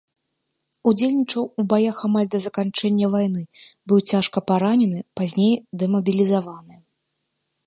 Удзельнічаў у баях амаль да заканчэння вайны, быў цяжка паранены, пазней дэмабілізаваны.